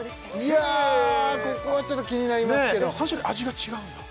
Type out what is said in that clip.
いやここはちょっと気になりますけど３種類味が違うんだ？